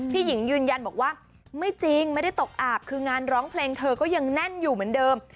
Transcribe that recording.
หญิงยืนยันบอกว่าไม่จริงไม่ได้ตกอาบคืองานร้องเพลงเธอก็ยังแน่นอยู่เหมือนเดิม